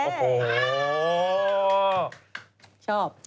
เขาให้เจออยู่แล้ว